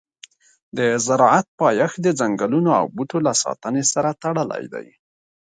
د زراعت پایښت د ځنګلونو او بوټو له ساتنې سره تړلی دی.